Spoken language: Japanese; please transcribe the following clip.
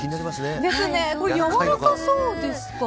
やわらかそうですが。